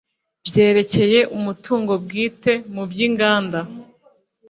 byerekeye umutungo bwite mu by inganda